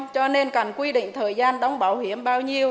cho nên cần quy định thời gian đóng bảo hiểm bao nhiêu